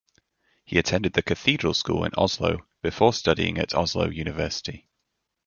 He attended the Cathedral School in Oslo before studying at Oslo University.